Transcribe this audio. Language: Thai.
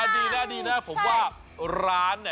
ดีนะผมว่าร้าน